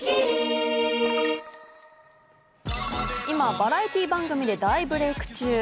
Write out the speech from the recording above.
今、バラエティー番組で大ブレイク中。